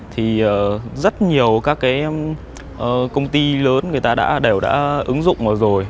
thì rất nhiều các cái công ty lớn người ta đã đều đã ứng dụng rồi